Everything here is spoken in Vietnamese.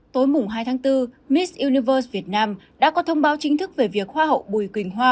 tối mùng hai tháng bốn miss univers việt nam đã có thông báo chính thức về việc hoa hậu bùi quỳnh hoa